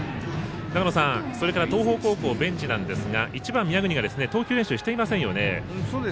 長野さん、それから東邦高校ベンチなんですが１番、宮國が投球練習していませんよね。